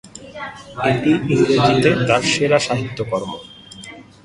এটি ইংরেজিতে তার সেরা সাহিত্যকর্ম।